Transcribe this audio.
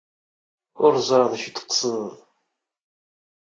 Ur ẓriɣ d acu ay d-tqesded.